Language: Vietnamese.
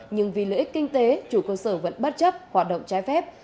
nhưng vì lợi ích kinh tế chủ cơ sở vẫn bất chấp hoạt động trái phép